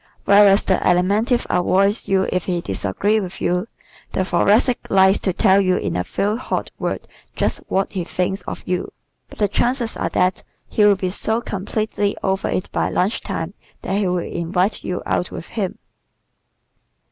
Whereas the Alimentive avoids you if he disagrees with you, the Thoracic likes to tell you in a few hot words just what he thinks of you. But the chances are that he will be so completely over it by lunch time that he will invite you out with him.